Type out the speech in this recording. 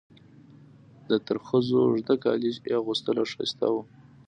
د ترخزو اوږده کالي یې اغوستل او ښایسته وو.